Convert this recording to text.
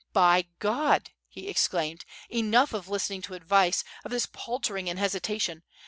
"By God!" he exclaimed, "enough of listening to advice, of this paltering and hesitation!